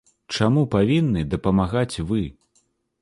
Чаму павінны дапамагаць вы?